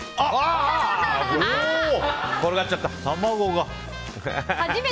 転がっちゃった。